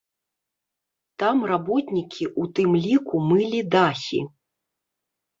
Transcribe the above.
Там работнікі у тым ліку мылі дахі.